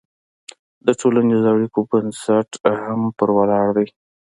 د ټولنیزو اړیکو بنسټ هم پرې ولاړ دی.